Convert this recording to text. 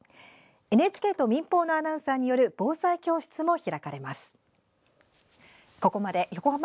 ＮＨＫと民放のアナウンサーによる防災教室も開かれます。